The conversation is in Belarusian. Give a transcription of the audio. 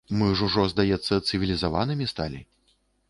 Мы ж ужо, здаецца, цывілізаванымі сталі.